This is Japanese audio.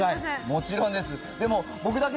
もちろんです。